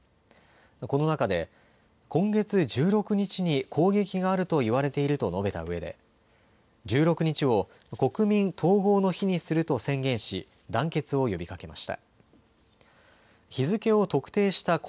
この中で今月１６日に攻撃があると言われていると述べたうえで１６日を国民統合の日にすると宣言し、団結を呼びかけました。